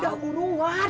udah gue nuar